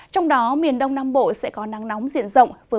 trong đó miền đông nam bộ sẽ có nắng nóng diễn ra